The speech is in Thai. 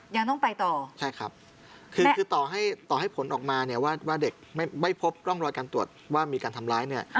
ยังต้องไปต่อใช่ครับคือต่อให้ต่อให้ผลออกมาเนี่ยว่าเด็กไม่พบร่องรอยการตรวจว่ามีการทำร้ายเนี่ย